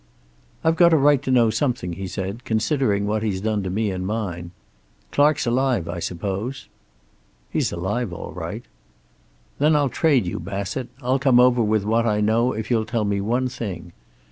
"I've got a right to know something," he said, "considering what he's done to me and mine. Clark's alive, I suppose?" "He's alive all right." "Then I'll trade you, Bassett. I'll come over with what I know, if you'll tell me one thing.